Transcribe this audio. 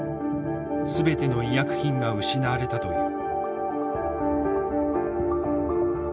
全ての医薬品が失われたという。